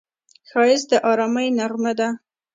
ښایست د ارامۍ نغمه ده